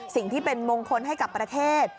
สิ่งที่เป็นมงคลให้กับประเทศ